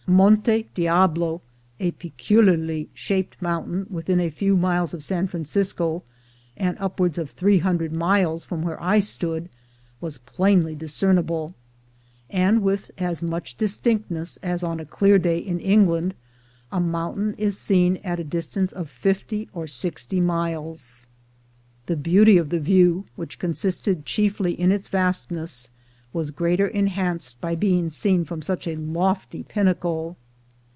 Monte Diablo, a peculiarly shaped mountain within a few miles of San Francisco, and upwards of three hundred miles* from where I stood, was plainly discernible, and with as much distinctness as on a clear day in England a mountain is seen at a distance of fifty or sixty miles. The beauty of the view, which consisted chiefly in its vastness, was greatly enhanced by being seen from such a lofty pinnacle.